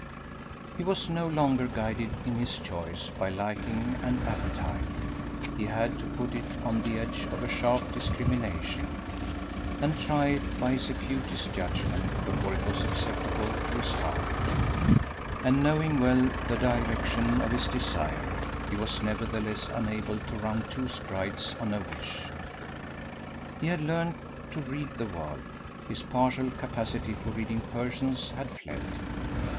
He was no longer guided in his choice by liking and appetite: he had to put it on the edge of a sharp discrimination, and try it by his acutest judgement before it was acceptable to his heart: and knowing well the direction of his desire, he was nevertheless unable to run two strides on a wish. He had learned to read the world: his partial capacity for reading persons had fled.